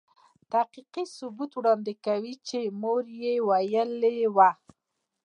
تحقیقي ثبوت وړاندې کوي چې مور يې ویلې وه.